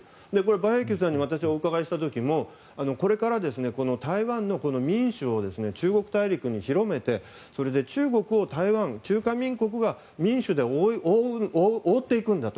馬英九さんに私、お伺いした時にもこれから台湾の民主を中国大陸に広めてそれで中国を台湾中華民国を民主で覆っていくんだと。